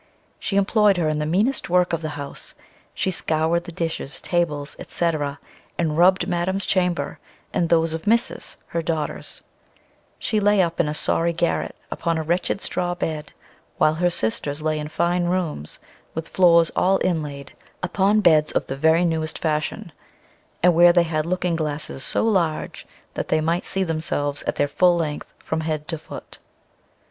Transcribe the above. She employed her in the meanest work of the house; she scoured the dishes, tables, &c. and rubbed Madam's chamber, and those of Misses, her daughters; she lay up in a sorry garret, upon a wretched straw bed, while her sisters lay in fine rooms, with floors all inlaid, upon beds of the very newest fashion, and where they had looking glasses so large, that they might see themselves at their full length, from head to foot.